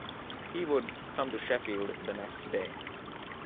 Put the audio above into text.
He would come to Sheffield the next day.